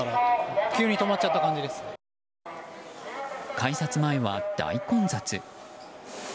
改札前は大混雑。